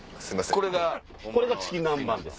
これがチキン南蛮です。